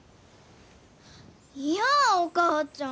いやお母ちゃん！